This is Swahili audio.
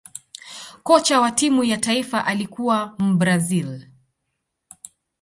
kocha wa timu ya taifa alikuwa mbrazil